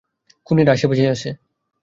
খুনিরা আশেপাশেই আছে!